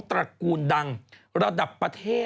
ตระกูลดังระดับประเทศ